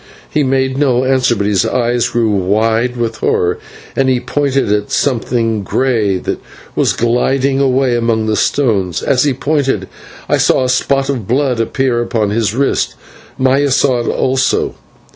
He made no answer, but his eyes grew wide with horror, and he pointed at something grey that was gliding away among the stones, and as he pointed I saw a spot of blood appear upon his wrist. Maya saw it also.